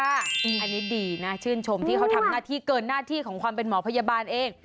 อันนี้ดีนะชื่นชมเขาก็ทำนาธิเกินนาธิความเป็นหมอพยาบาลเอง